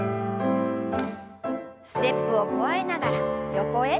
ステップを加えながら横へ。